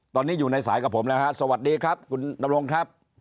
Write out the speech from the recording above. ตอนนี้อยู่ในสายกับผมแล้วฮะสวัสดีครับคุณดำรงครับ